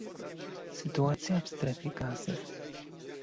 Sytuacja w Strefie Gazy